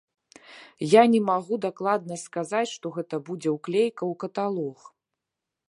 Я не магу дакладна сказаць, што гэта будзе ўклейка ў каталог.